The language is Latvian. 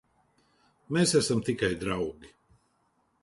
Mēs esam tikai draugi.